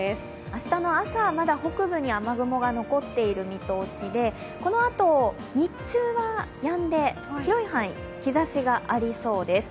明日の朝はまだ北部に雨雲が残っている見通しでこのあと日中はやんで、広い範囲、日ざしがありそうです。